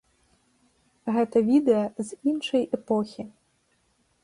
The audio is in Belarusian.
Гэта відэа з іншай эпохі.